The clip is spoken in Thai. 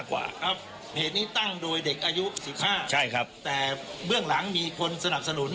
กว่าครับเหตุนี้ตั้งโดยเด็กอายุ๑๕ใช่ครับแต่เบื้องหลังมีคนสนับสนุน